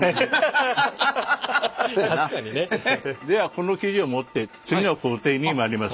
この生地を持って次の工程に参ります。